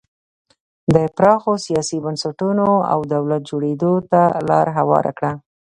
د پراخو سیاسي بنسټونو او دولت جوړېدو ته لار هواره کړه.